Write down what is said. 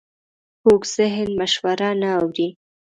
کوږ ذهن مشوره نه اوري